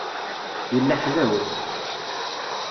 Yella ḥlaw.